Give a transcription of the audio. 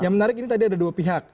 yang menarik ini tadi ada dua pihak